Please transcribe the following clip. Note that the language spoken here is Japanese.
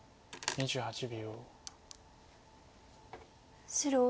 ２８秒。